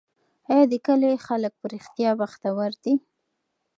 آیا د کلي خلک په رښتیا بختور دي؟